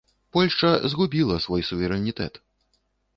Польшча згубіла свой суверэнітэт!